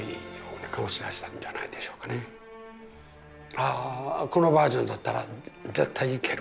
ああこのバージョンだったら絶対いける